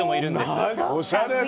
なにおしゃれな。